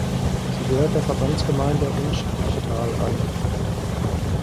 Sie gehört der Verbandsgemeinde Unstruttal an.